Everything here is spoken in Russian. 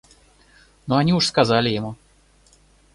Но они уж сказали ему.